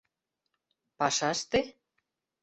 — Пашаште?